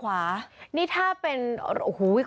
โอ้โหโอ้โห